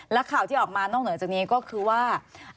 และข่าวที่ออกมานอกเหนือจากนี้ก็คือว่า